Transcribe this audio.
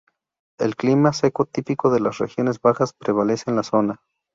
El clima seco típico de las regiones bajas prevalece en la zona.